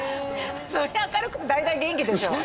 そりゃ明るくて大体元気でしょ